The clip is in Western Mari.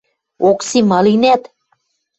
Окси, ма линӓт?